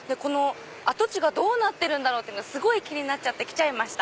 跡地がどうなってるんだろうとすごい気になっちゃって来ちゃいました。